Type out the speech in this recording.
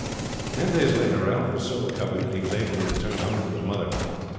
Ten days later, Ralph was so far recovered that he was able to return home with his mother.